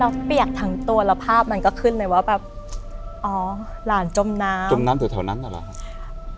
เราเปียกทั้งตัวแล้วภาพมันก็ขึ้นเลยว่าแบบอ๋อหลานจมน้ำจมน้ำแต่แถวนั้นเหรอล่ะค่ะ